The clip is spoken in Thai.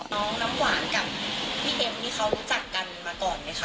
น้ำหวานกับพี่เอ็มนี่เขารู้จักกันมาก่อนไหมคะ